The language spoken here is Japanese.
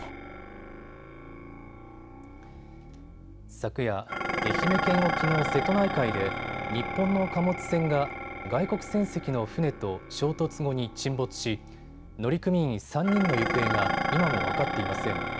昨夜、愛媛県沖の瀬戸内海で日本の貨物船が外国船籍の船と衝突後に沈没し乗組員３人の行方が今も分かっていません。